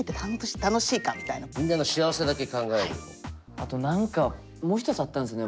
あと何かもう一つあったんですよね